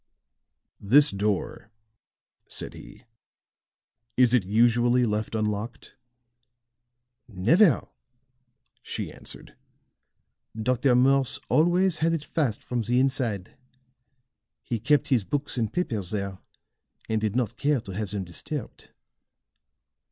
"This door," said he; "is it usually left unlocked?" "Never," she answered. "Dr. Morse always had it fast from the inside. He kept his books and papers there, and did not care to have them disturbed."